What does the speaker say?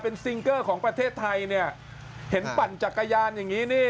เป็นซิงเกอร์ของประเทศไทยเนี่ยเห็นปั่นจักรยานอย่างนี้นี่